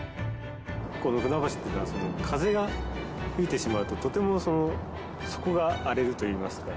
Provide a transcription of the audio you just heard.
この船橋っていうのは風が吹いてしまうととても底が荒れるといいますか。